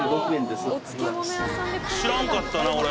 知らんかったな俺。